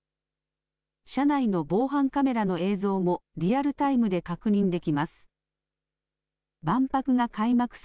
車内の防犯カメラの映像もリアルタイムで確認できます。